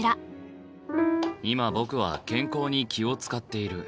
今僕は健康に気を遣っている。